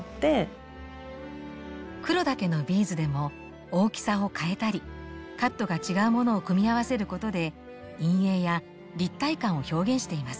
黒だけのビーズでも大きさを変えたりカットが違うものを組み合わせることで陰影や立体感を表現しています。